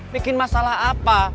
bikin masalah apa